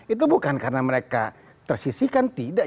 itu bukan karena mereka tersisihkan tidak